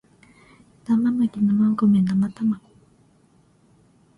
七生麦七生米七生卵